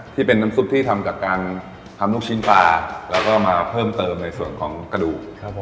ที่เป็นน้ำซุปที่ทำจากการทำลูกชิ้นปลาแล้วก็มาเพิ่มเติมในส่วนของกระดูกครับผม